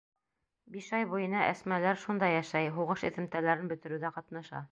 Биш ай буйына Әсмәләр шунда йәшәй, һуғыш эҙемтәләрен бөтөрөүҙә ҡатнаша.